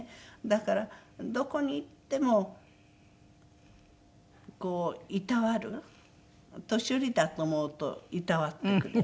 だからどこに行ってもこういたわる年寄りだと思うといたわってくれる。